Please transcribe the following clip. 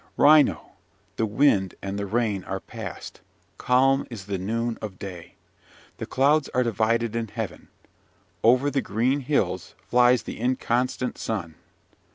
"Ryno. The wind and the rain are past, calm is the noon of day. The clouds are divided in heaven. Over the green hills flies the inconstant sun.